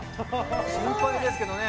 心配ですけどね。